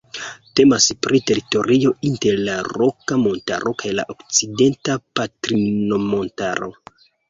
Temas pri teritorio inter la Roka Montaro kaj la Okcidenta Patrinmontaro.